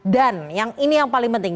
dan yang ini yang paling penting